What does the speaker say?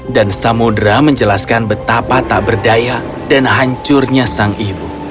dan samudera menjelaskan betapa tak berdaya dan hancurnya sang ibu